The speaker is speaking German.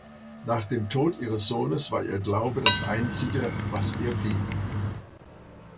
Nach dem Tod ihres Sohnes war ihr Glaube das einzige, was ihr blieb.